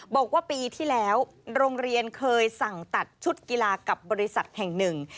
บอกว่าปีที่แล้วโรงเรียนเคยสั่งตัดชุดกีฬากับบริษัทแห่งหนึ่ง